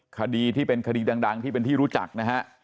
คดีที่เป็นคดีดังที่เป็นที่รู้จักนะฮะ